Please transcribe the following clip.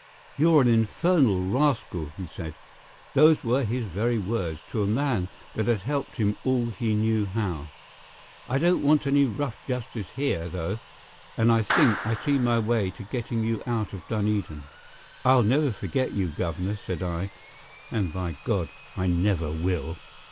"You're an infernal rascal," he said; those were his very words, to a man that had helped him all he knew how. "I don't want any rough justice here, though; and I think I see my way to getting you out of Dunedin." "I'll never forget you, governor," said I; "and, by God! I never will."